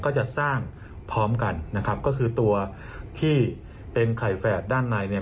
ก็จะสร้างพร้อมกันนะครับก็คือตัวที่เป็นไข่แฝดด้านในเนี่ย